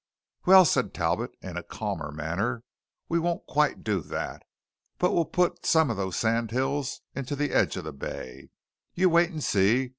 "Well," said Talbot in a calmer manner, "we won't quite do that. But we'll put some of those sand hills into the edge of the bay. You wait and see.